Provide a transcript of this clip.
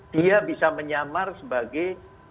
dia bisa menyamar sebagai